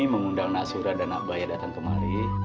mengundang nasura dan nak bahaya datang kemari